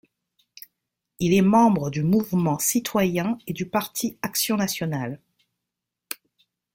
Il est membre du mouvement citoyen et du parti action nationale.